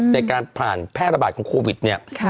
ในการผ่านแพร่ระบาดของโควิดเนี่ย